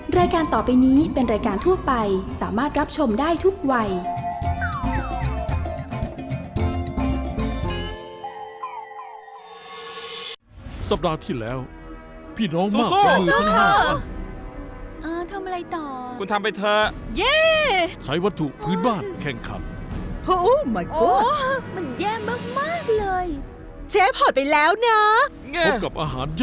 รายการต่อไปนี้เป็นรายการทั่วไปสามารถรับชมได้ทุกวัย